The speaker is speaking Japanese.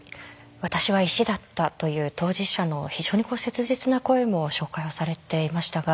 私は石だったという当事者の非常に切実な声も紹介をされていましたが。